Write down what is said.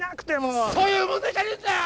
そういう問題じゃねえんだよ！